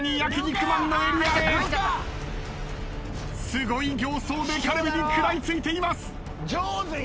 すごい形相でカルビに食らい付いています。